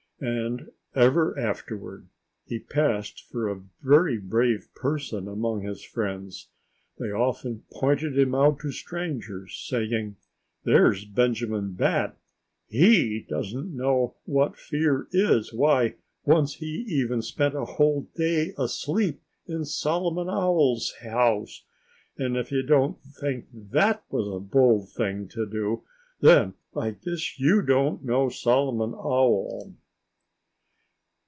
And ever afterward he passed for a very brave person among his friends. They often pointed him out to strangers, saying, "There's Benjamin Bat! He doesn't know what fear is. Why, once he even spent a whole day asleep in Solomon Owl's house! And if you don't think that was a bold thing to do, then I guess you don't know Solomon Owl."